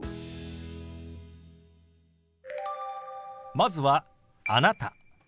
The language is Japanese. まずは「あなた」。